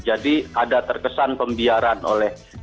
ada terkesan pembiaran oleh